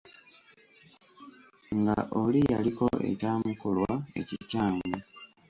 Nga oli yaliko ekyamukolwa ekikyamu